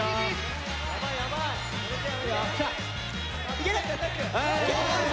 いける！